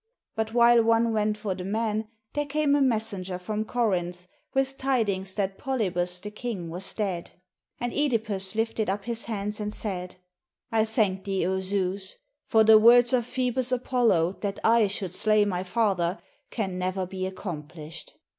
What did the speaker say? But while one went for the man, there came a mes senger from Corinth with tidings that Polybus the king was dead; and (Edipus hfted up his hands and said, "I thank thee, O Zeus; for the words of Phoebus Apollo, that I should slay my father, can never be accomplished."